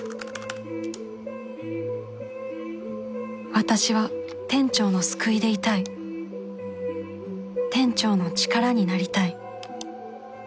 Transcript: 私は店長の救いでいたい店長の力になりたい